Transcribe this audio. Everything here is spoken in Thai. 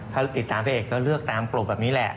ถ้าติดตามพระเอกก็เลือกตามกลุ่มแบบนี้แหละ